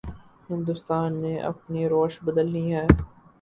ہندوستان نے اپنی روش بدلنی ہے۔